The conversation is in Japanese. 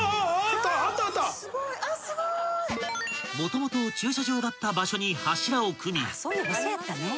［もともと駐車場だった場所に柱を組み］